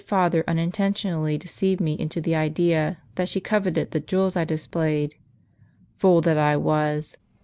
father unintentionally deceived me into the idea, that she coveted the jewels I displayed. Fool that I was!